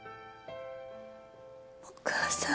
お母さん。